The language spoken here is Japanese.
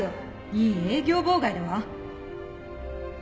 いい営業妨害だわ！